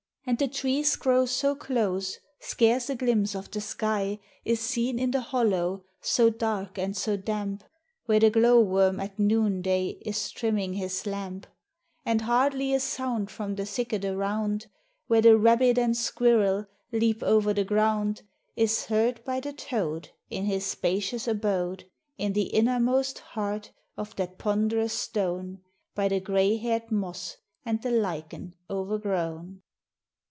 And the trees grow so close, scarce a glimpse of the sky Is seen in the hollow, so dark and so damp, Where the glow worm at noonday is trimming his lamp, And hardly a sound from the thicket around, Where the rabbit and squirrel leap over the ground, Is heard by the toad in his spacious abode In the innermost heart of that ponderous stone, By the gray haired moss and the lichen o'ergrown.